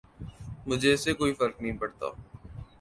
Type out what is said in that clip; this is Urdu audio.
مجھے اس سے کوئی فرق نہیں پڑتا۔